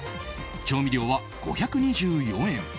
調味料は５２４円